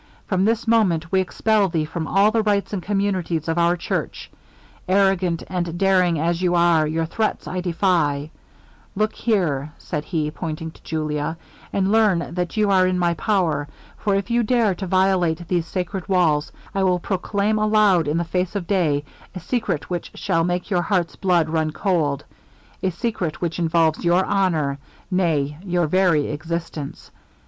From this moment we expel thee from all the rights and communities of our church. Arrogant and daring as you are, your threats I defy Look here,' said he, pointing to Julia, 'and learn that you are in my power; for if you dare to violate these sacred walls, I will proclaim aloud, in the face of day, a secret which shall make your heart's blood run cold; a secret which involves your honour, nay, your very existence.